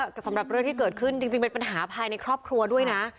สำหรับเรื่องที่เกิดขึ้นจริงเป็นปัญหาภายในครอบครัวด้วยนะ